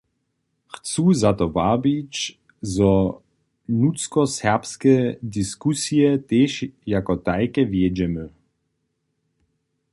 Chcu za to wabić, zo nutřkoserbske diskusije tež jako tajke wjedźemy.